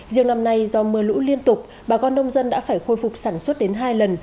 riêng năm nay do mưa lũ liên tục bà con nông dân đã phải khôi phục sản xuất đến hai lần